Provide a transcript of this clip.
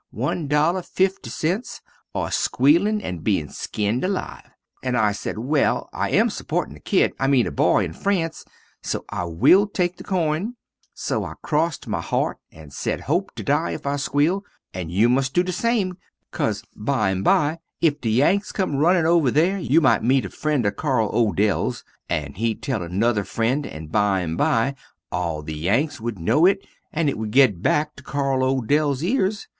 50 or squealin and being skinned alive, and I sed, Well I am suporting a kid, I mean a boy, in France so I will take the coin, so I crost my heart and sed hope to dye if I squeal and you must do the same, caus bimby if the Yanks come runnin over there you mite mete a frend of Carl Odells and hed tell a nuther frend, and bimby all the Yanks wood no it and it wood get back to Carl Odells ears.